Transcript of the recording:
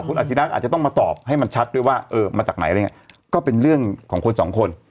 คุณอาชิระอาจจะต้องมาตอบให้มันชัดด้วยว่าเออมาจากไหนอะไรยังไงก็เป็นเรื่องของคนสองคน